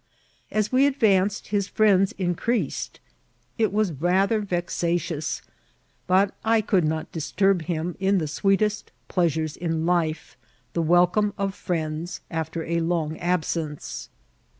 As we advanced his friends in creased. It was rather vexatious^ but I could not dis turb him in the sweetest pleasures in life, the welcome of friends after a long absence.